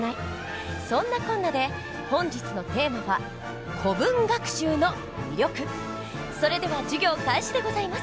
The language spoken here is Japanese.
そんなこんなで本日のテーマはそれでは授業開始でございます。